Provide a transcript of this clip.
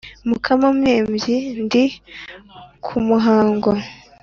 mukama-mpembyi ndi ku muhango.